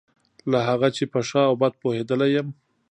له هغه چې په ښه او بد پوهېدلی یم.